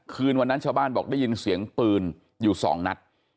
คืนวันนั้นชาวบ้านบอกได้ยินเสียงปืนอยู่สองนัด